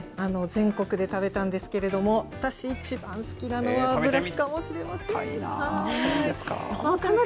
全国で食べたんですけれども、私一番好きなのはあぶらふかもしれ食べてみたいな。